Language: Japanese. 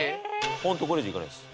ホントこれ以上いかないです。